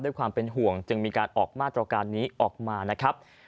ด้วยความเป็นห่วงจึงมีการออกมาตรการนี้ออกมานะครับ